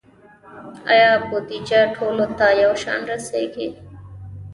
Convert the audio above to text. آیا بودیجه ټولو ته یو شان رسیږي؟